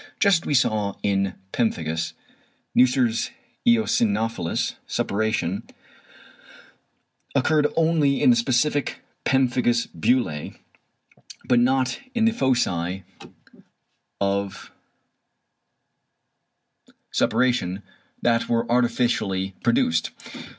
Just as we saw in pemphigus, Neusser's eosinophilous suppuration occurred only in the specific pemphigus bullæ, but not in the foci of suppuration that were artificially produced.